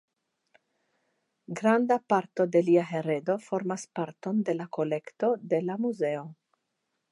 Granda parto de lia heredo formas parton de la kolekto de la Muzeo.